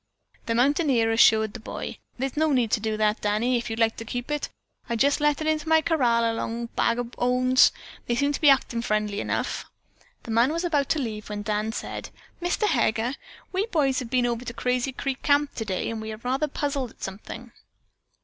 The mountaineer assured the boy: "No need to do that, Danny, if you'd like to keep it. I'll jest let it into my corral along of Bag o' Bones. They seem to be actin' friendly enough." The man was about to leave, when Dan said, "Mr. Heger, we boys have been over to Crazy Creek Camp today and we are rather puzzled about something."